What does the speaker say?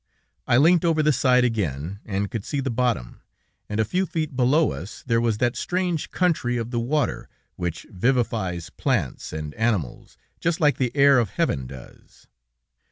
I leant over the side again, and could see the bottom, and a few feet below us there was that strange country of the water, which vivifies plants and animals, just like the air of heaven does.